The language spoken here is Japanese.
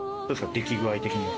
出来具合的には。